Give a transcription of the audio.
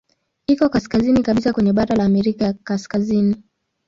Iko kaskazini kabisa kwenye bara la Amerika ya Kaskazini.